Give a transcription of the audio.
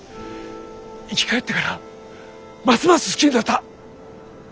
生き返ってからますます好きになった。